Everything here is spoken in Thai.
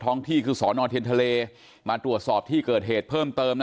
ที่คือสอนอเทียนทะเลมาตรวจสอบที่เกิดเหตุเพิ่มเติม